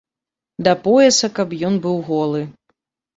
Да пояса каб ён быў голы!